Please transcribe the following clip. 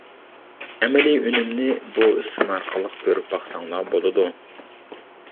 ئەمەلىي ئۈنۈمىنى بۇ سىن ئارقىلىق كۆرۈپ باقساڭلار بولىدۇ.